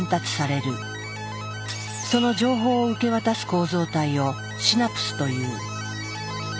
その情報を受け渡す構造体をシナプスという。